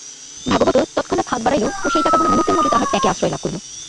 ভাগবত তৎক্ষণাৎ হাত বাড়াইল ও সেই টাকাগুলা মুহূর্তের মধ্যে তাহার ট্যাঁকে আশ্রয় লাভ করিল।